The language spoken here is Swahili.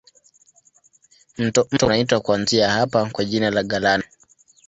Mto unaitwa kuanzia hapa kwa jina la Galana.